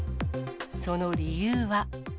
その理由は。